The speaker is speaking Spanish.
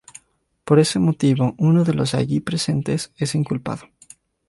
Por ese motivo, uno de los allí presentes es inculpado.